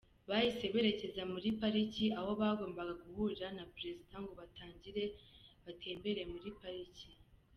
Bahise berekeza muri Pariki aho bagombaga guhurira na Perezida ngo batangire batembere muri Pariki.